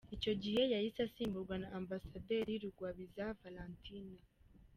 Icyo gihe yahise asimburwa na Ambasaderi Rugwabiza Valentine.